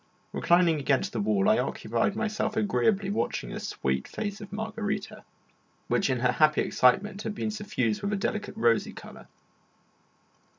Reclining against the wall, I occupied myself agreeably watching the sweet face of Margarita, which in her happy excitement had become suffused with a delicate rosy colour.